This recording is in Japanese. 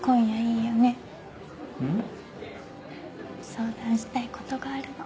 相談したいことがあるの。